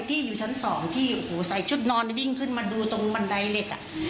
พี่อยู่ชั้นสองพี่ใส่ชุดนอนดิ้งขึ้นมาดูตรงบันไดเล็ก